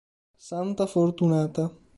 Santa Fortunata